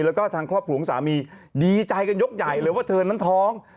แล้วก็ทางครอบครัวของสามีดีใจกันยกใหญ่เลยว่าเธอนั้นท้อง